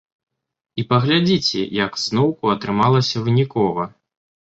І паглядзіце, як зноўку атрымалася вынікова.